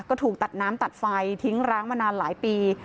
ก็ถูกตัดน้ำตัดไฟทิ้งร้างมานานหลายปี